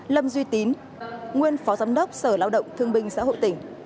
lâm duy tín nguyên phó giám đốc sở lao động thương binh xã hội tỉnh